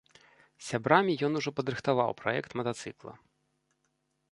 З сябрамі ён ужо падрыхтаваў праект матацыкла.